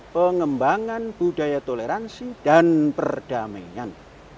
pengembangan budaya toleransi dan perdamaian